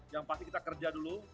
yang pasti kita kerja dulu